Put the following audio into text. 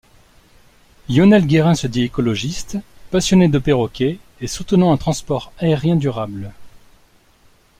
Lionel Guérin se dit écologiste, passionné de perroquets et soutenant un transport aérien durable.